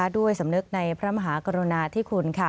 ด้วยสำนึกในพระมหากรุณาที่คุณ